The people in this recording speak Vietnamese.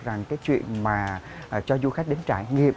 rằng cái chuyện mà cho du khách đến trải nghiệm